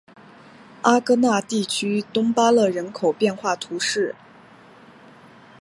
阿戈讷地区东巴勒人口变化图示